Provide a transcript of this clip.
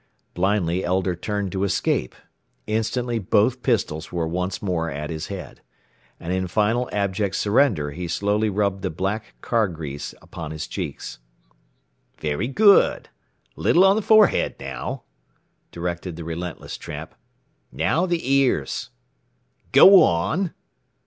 Blindly Elder turned to escape. Instantly both pistols were once more at his head. And in final abject surrender he slowly rubbed the black car grease upon his cheeks. "Very good. A little on the forehead now," directed the relentless tramp. "Now the ears. "_Go on!